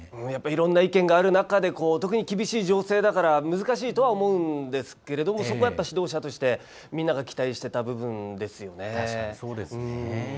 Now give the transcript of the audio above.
いろんな意見がある中で特に厳しい情勢だから難しいとは思うんですがそこは指導者としてみんなが期待してた部分ですよね。